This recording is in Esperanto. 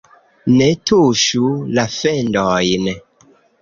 Ne tuŝu la fendojn